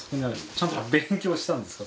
ちゃんと勉強したんですか？